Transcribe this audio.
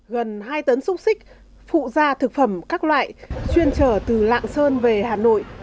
gần hai tấn xúc xích phụ da thực phẩm các loại chuyên trở từ lạng sơn về hà nội